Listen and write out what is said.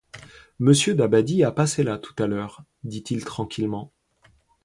Monsieur Dabadie a passé là tout à l'heure, dit-il tranquillement.